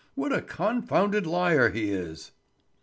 What a confounded liar he is!"